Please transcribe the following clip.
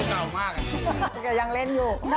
ยังเล่นอยู่